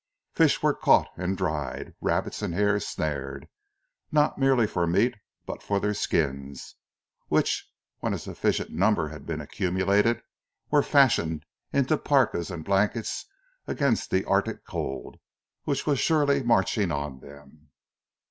Fish were caught and dried, rabbits and hares snared, not merely for meat, but for their skins, which when a sufficient number had been accumulated were fashioned into parkas and blankets against the Arctic cold which was surely marching on them.